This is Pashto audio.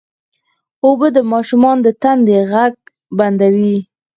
اوبه د ماشوم د تندې غږ بندوي